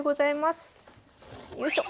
よいしょ。